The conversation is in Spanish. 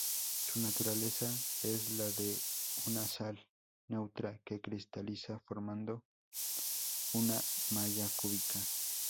Su naturaleza es la de una sal neutra que cristaliza formando una malla cúbica.